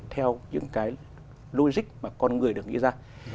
theo những logic mà con người được nghĩ ra